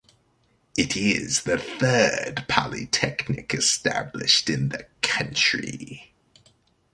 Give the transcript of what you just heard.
It is the third polytechnic established in the country.